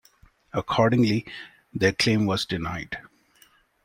Accordingly, their claim was denied.